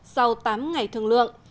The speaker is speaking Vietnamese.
sau tám ngày thường lượng